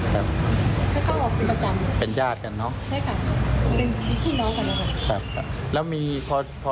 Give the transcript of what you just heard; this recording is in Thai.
ใช่ค่ะเข้าออกประจำเป็นญาติกันเนาะใช่ค่ะเป็นพี่น้องกันเนาะค่ะ